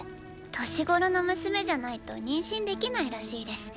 ⁉年頃の娘じゃないと“にんしん”できないらしいです。